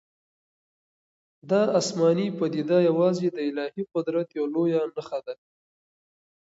دا آسماني پدیده یوازې د الهي قدرت یوه لویه نښه ده.